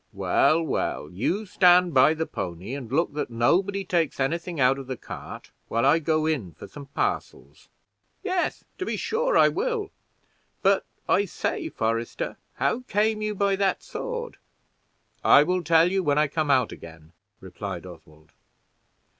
"Well, well, you stand by the pony, and look that nobody takes any thing out of the cart, while I go in for some parcels." "Yes, to be sure I will; but, I say, forester, how came you by that sword?' "I will tell you when I come out again," replied Oswald.